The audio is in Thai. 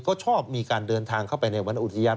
ก็ชอบมีการเดินทางเข้าไปในวันอุทยาน